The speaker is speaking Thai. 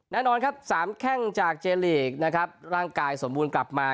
แน่นอนครับ๓แข้งจากเจลีกนะครับร่างกายสมบูรณ์กลับมา